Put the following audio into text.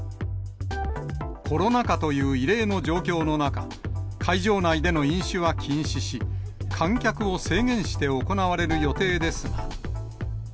コロナ禍という異例の状況の中、会場内での飲酒は禁止し、観客を制限して行われる予定ですが。